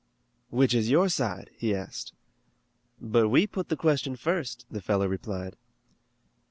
"Which is your side?" he asked. "But we put the question first," the fellow replied.